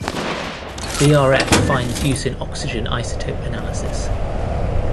BrF finds use in oxygen isotope analysis.